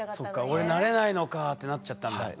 「俺なれないのか」ってなっちゃったんだ。